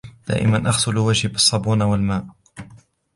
دائما أغسل وجهي بالصابون والماء.